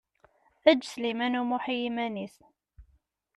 Eǧǧ Sliman U Muḥ i yiman-is.